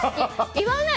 言わない！